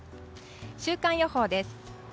週間予報です。